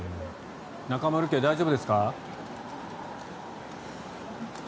中丸家、大丈夫ですか？